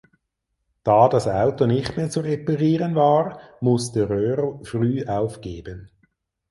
Da das Auto nicht mehr zu reparieren war musste Röhrl früh aufgeben.